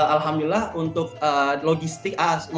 alhamdulillah untuk logistik